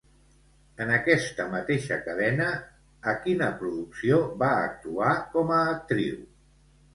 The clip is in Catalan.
En aquesta mateixa cadena, a quina producció va actuar com a actriu?